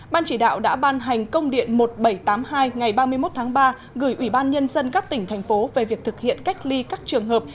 ban chỉ đạo đã ban hành công điện một nghìn bảy trăm tám mươi hai ngày ba mươi một tháng ba gửi ủy ban nhân dân các tỉnh thành phố về việc thực hiện cách ly các trường hợp